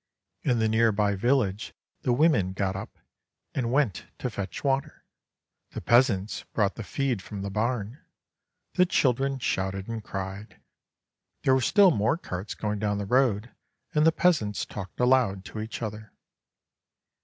In the near by village the women got up, and went to fetch water ; the peasants brought the feed from the barn ; the cliildren shouted and cried. There were still more carts going down the road, and the peasants talked aloud to each other.